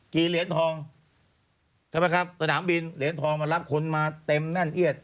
เหรียญทองใช่ไหมครับสนามบินเหรียญทองมารับคนมาเต็มแน่นเอียด